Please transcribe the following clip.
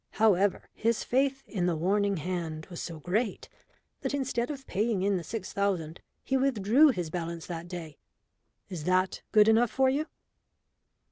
However, his faith in the warning hand was so great that instead of paying in the six thousand he withdrew his balance that day. Is that good enough for you?"